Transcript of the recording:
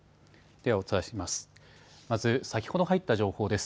ではお伝えします。